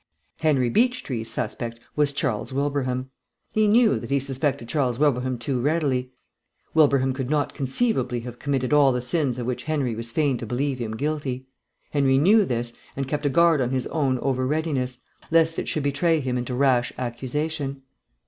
Henry Beechtree's suspect was Charles Wilbraham. He knew that he suspected Charles Wilbraham too readily; Wilbraham could not conceivably have committed all the sins of which Henry was fain to believe him guilty. Henry knew this, and kept a guard on his own over readiness, lest it should betray him into rash accusation.